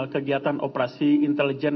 kegiatan operasi intelijen